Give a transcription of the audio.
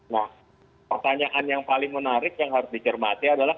nah pertanyaan yang paling menarik yang harus dicermati adalah